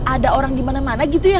ada orang dimana mana gitu ya